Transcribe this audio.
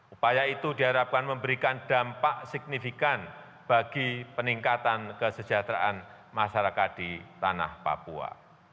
upaya itu diharapkan memberikan dampak signifikan bagi peningkatan kesejahteraan masyarakat di tanah papua